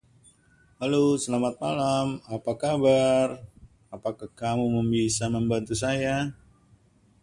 Being tense makes a pitcher much more prone to committing a balk.